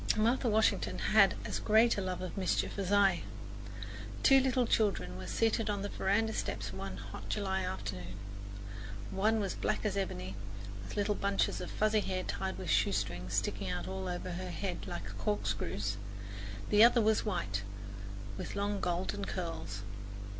Martha Washington had as great a love of mischief as I. Two little children were seated on the veranda steps one hot July afternoon. One was black as ebony, with little bunches of fuzzy hair tied with shoestrings sticking out all over her head like corkscrews. The other was white, with long golden curls.